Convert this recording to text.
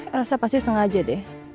erasa pasti sengaja deh